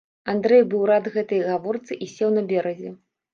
Андрэй быў рад гэтай гаворцы і сеў на беразе.